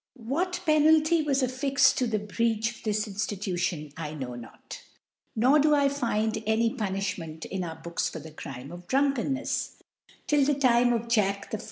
What Penalty was affii^ to the Breach of this InfHtution, I know not v nor do I fitid any Punifhment in our Books for the Crime of Drunfcenncfe, till the Time of Jac, I.